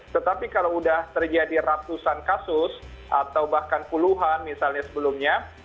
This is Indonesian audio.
tetapi kalau sudah terjadi ratusan kasus atau bahkan puluhan misalnya sebelumnya